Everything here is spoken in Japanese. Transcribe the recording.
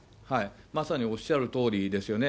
まさにおっしゃるとおりですよね。